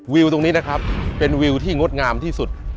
วิวตรงนี้นะครับเป็นวิวที่งดงามที่สุด